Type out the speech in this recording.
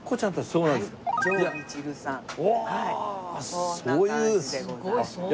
そういう。